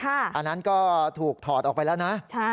อันนั้นก็ถูกถอดออกไปแล้วนะ